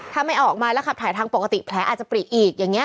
ถ้าไม่ออกมาแล้วขับถ่ายทางปกติแผลอาจจะปริอีกอย่างนี้